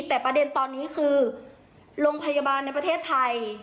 แต่ประเด็นตอนนี้คือโรงพยาบาลในประเทศไทย